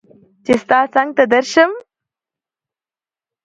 چې ستا څنګ ته درشم